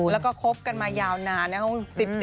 แล้วก็คบกันมายาวนานนะครับ